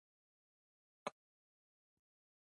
بله پوښتنه دا ده چې ایا پنبه اومه ماده ده؟